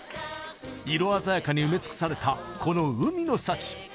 色鮮やかに埋めつくされたこの海の幸！